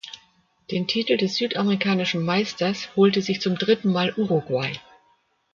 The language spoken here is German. Den Titel des südamerikanischen Meisters holte sich zum dritten Mal Uruguay.